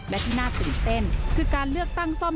และที่น่าตื่นเต้นคือการเลือกตั้งซ่อม